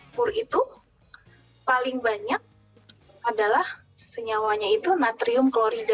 kur itu paling banyak adalah senyawanya itu natrium klorida